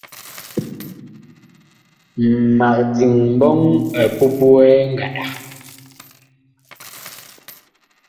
Mag diŋ mbɔŋ epupuɛ ngandag.